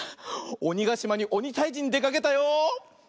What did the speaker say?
おにがしまにおにたいじにでかけたよ。